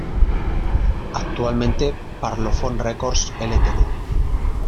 Actualmente Parlophone Records Ltd.